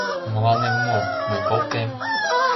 Мыланем мо... мый колтем.